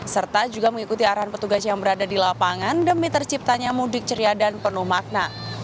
serta juga mengikuti arahan petugas yang berada di lapangan demi terciptanya mudik ceria dan penuh makna